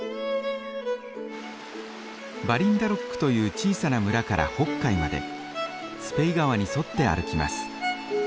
バリンダロックという小さな村から北海までスペイ川に沿って歩きます。